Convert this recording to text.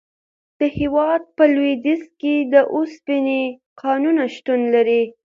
د هیواد په لویدیځ کې د اوسپنې کانونه شتون لري.